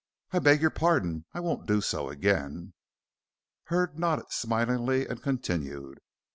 "I beg your pardon. I won't do so again." Hurd nodded smilingly and continued.